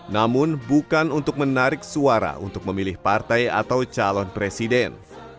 namun bukan untuk menarik suara untuk memilih partai atau calon presiden